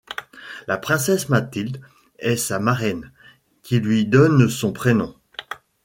La princesse Mathilde est sa marraine, qui lui donne son prénom.